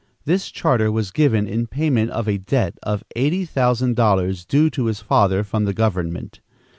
This charter was given in payment of a debt of eighty thousand dollars due to his father from the government.